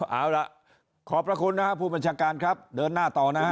เอาล่ะขอบพระคุณนะครับผู้บัญชาการครับเดินหน้าต่อนะ